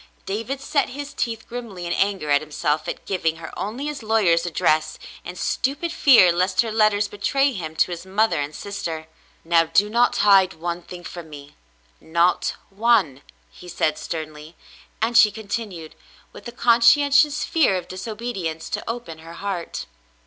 David set his teeth grimly in anger at himself at giving her only his lawyer's address, in stupid fear lest her letters betray him to his mother and sister. "Now, do not hide one thing from me — not one," he said sternly, and she continued, with a conscientious fear of disobedience, to open her heart.